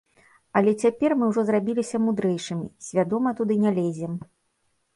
Але цяпер мы ўжо зрабіліся мудрэйшымі, свядома туды не лезем.